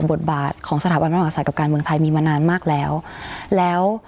บทบาทของสถาบันพระมหาศัตวกับการเมืองไทยมีมานานมากแล้วแล้ว